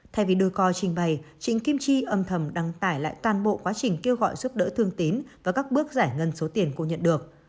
thay vì đôi co trình bày trịnh kim chi âm thầm đăng tải lại toàn bộ quá trình kêu gọi giúp đỡ thương tín và các bước giải ngân số tiền cô nhận được